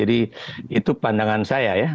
itu pandangan saya ya